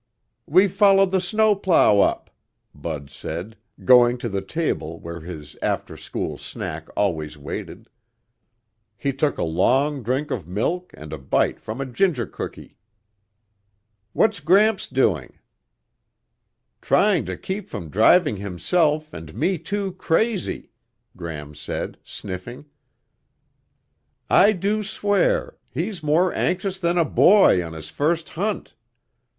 "We followed the snowplow up," Bud said, going to the table where his after school snack always waited. He took a long drink of milk and a bite from a ginger cookie. "What's Gramps doing?" "Trying to keep from driving himself and me too crazy," Gram said, sniffing. "I do swear, he's more anxious than a boy on his first hunt!